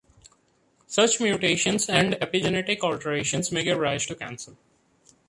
Such mutations and epigenetic alterations may give rise to cancer.